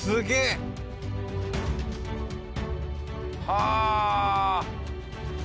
はあ！